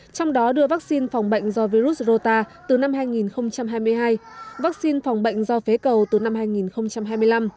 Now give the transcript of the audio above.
trong đó đưa vaccine phòng bệnh do virus rota từ năm hai nghìn hai mươi hai vaccine phòng bệnh do phế cầu từ năm hai nghìn hai mươi năm